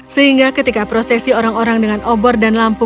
sehingga ketika prosesi orang orang dengan obor dan lampu